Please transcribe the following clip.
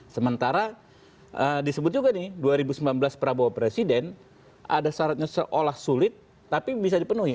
sementara disebut juga nih dua ribu sembilan belas prabowo presiden ada syaratnya seolah sulit tapi bisa dipenuhi